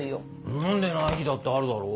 飲んでない日だってあるだろう？